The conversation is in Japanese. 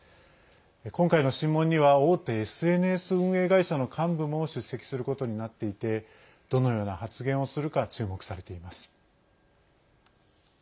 今回の審問には大手ＳＮＳ運営会社の幹部も出席することになっていてどのような発言をするか注目されています。